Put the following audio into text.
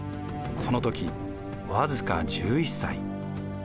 この時僅か１１歳。